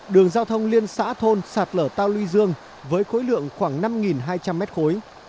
đường giao thông liên xã thôn sạt lở tàu lưu dương với khối lượng khoảng năm hai trăm linh m khối